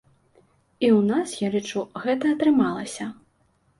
І ў нас, я лічу, гэта атрымалася.